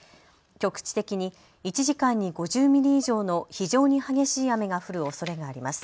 局地的に１時間に５０ミリ以上の非常に激しい雨が降るおそれがあります。